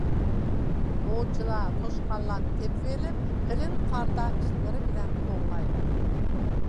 ئوۋچىلار توشقانلارنى تېپىۋېلىپ قېلىن قاردا ئىتلىرى بىلەن قوغلايدۇ.